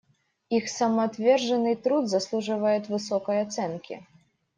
Их самоотверженный труд заслуживает высокой оценки.